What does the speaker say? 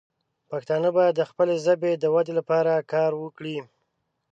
پښتانه باید د خپلې ژبې د ودې لپاره کار وکړي.